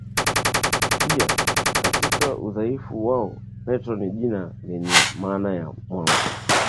pia katika udhaifu wao Petro ni jina lenye maana ya mwamba